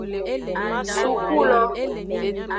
Suku lo.